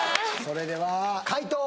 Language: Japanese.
それでは解答